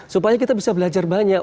supaya kita bisa belajar banyak